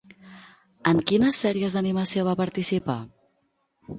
En quines sèries d'animació va participar?